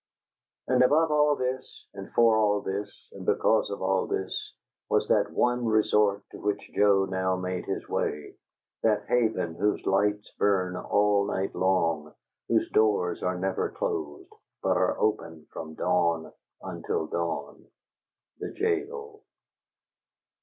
And above all this, and for all this, and because of all this, was that one resort to which Joe now made his way; that haven whose lights burn all night long, whose doors are never closed, but are open from dawn until dawn the jail.